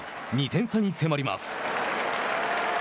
２点差に迫ります。